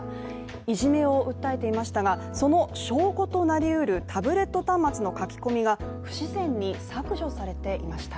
いじめを訴えていましたがその証拠となりうるタブレット端末の書き込みが、不自然に削除されていました。